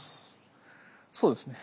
そうですね。